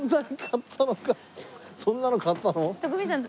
そんなの買ったの？